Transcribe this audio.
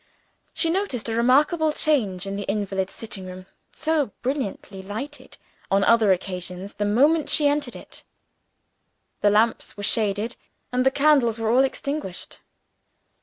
She noticed a remarkable change in the invalid's sitting room so brilliantly lighted on other occasions the moment she entered it. The lamps were shaded, and the candles were all extinguished.